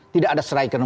tidak ada terlalu banyak